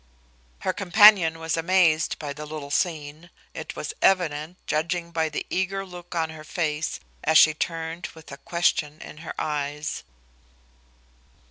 Her companion was amazed by the little scene, it was evident, judging by the eager look on her face as she turned with a question in her eyes.